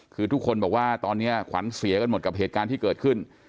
คือทุกคนบอกว่าตอนนี้ขวัญเสียกันหมดกับเหตุการณ์ที่เกิดขึ้น